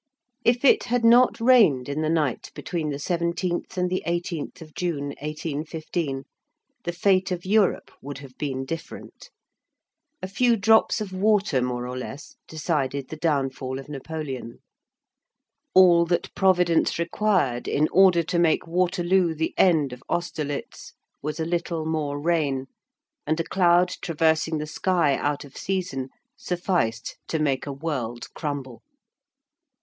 If it had not rained in the night between the 17th and the 18th of June, 1815, the fate of Europe would have been different. A few drops of water, more or less, decided the downfall of Napoleon. All that Providence required in order to make Waterloo the end of Austerlitz was a little more rain, and a cloud traversing the sky out of season sufficed to make a world crumble.